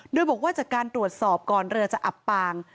โดยบอกว่าจากการตรวจสอบก่อนเรือจะอับปาง